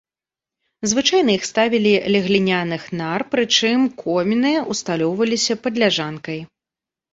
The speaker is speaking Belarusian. Звычайна іх ставілі ля гліняных нар, прычым коміны ўсталёўваліся пад ляжанкай.